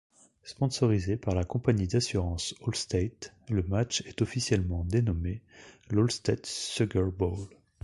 Sponsorisé par la compagnie d'assurance Allstate, le match est officiellement dénommé l'Allstate Sugar Bowl.